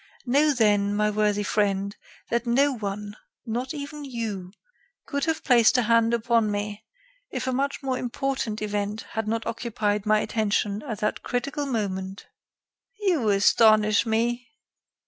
Know then, my worthy friend, that no one, not even you, could have placed a hand upon me if a much more important event had not occupied my attention at that critical moment." "You astonish me."